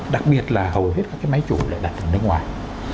đặc biệt là hầu hết các cái máy chủ lại đặt ở nước ngoài